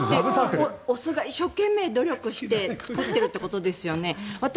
雄が一生懸命努力して作っているということですよね。